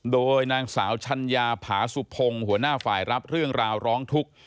โดยนางสาวชัญญาผาสุพงศ์หัวหน้าฝ่ายรับเรื่องราวร้องทุกข์